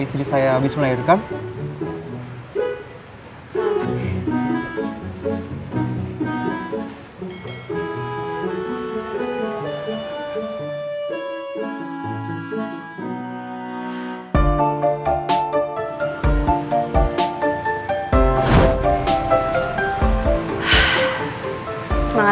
selamat ya buat kelahiran bayinya